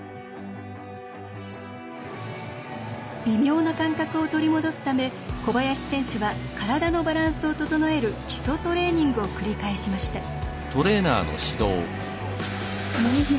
微妙な感覚を取り戻すため小林選手は体のバランスを整える基礎トレーニングを繰り返しました。